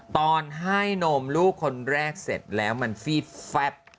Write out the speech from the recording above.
ตอนให้นมลูกคนแรกเสร็จแล้วมันฟีดแฟบ